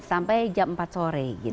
sampai jam empat sore